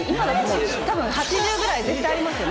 多分８０ぐらい絶対ありますよ。